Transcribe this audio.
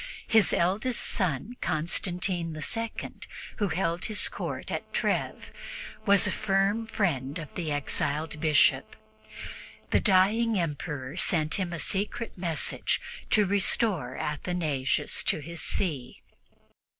His eldest son, Constantine II, who held his court at Treves, was a firm friend of the exiled Bishop; the dying Emperor sent him a secret message to restore Athanasius to his see.